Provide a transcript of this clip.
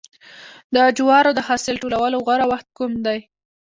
د جوارو د حاصل ټولولو غوره وخت کوم دی؟